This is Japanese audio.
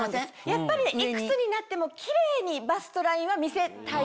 やっぱりいくつになってもキレイにバストラインは見せたい。